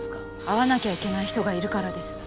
会わなきゃいけない人がいるからです。